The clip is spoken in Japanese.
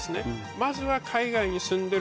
まずは。